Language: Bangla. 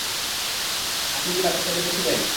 আপনি কি বাচ্চাদের মেরেছিলেন?